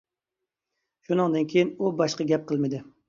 شۇنىڭدىن كىيىن ئۇ باشقا گەپ قىلمىدى.